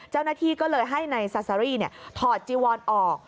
เจ้าหน้าที่ก็เลยให้นายซาซารี่ถอดจีวอนออก